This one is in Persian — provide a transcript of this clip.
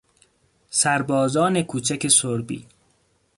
سربازان کوچک سربی